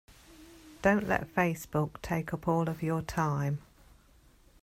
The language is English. Don't let Facebook take up all of your time.